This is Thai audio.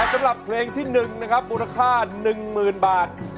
สำหรับเพลงที่๑นะครับมูลค่า๑๐๐๐บาท